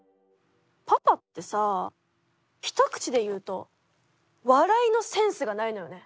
パパってさひとくちでいうと笑いのセンスがないのよね。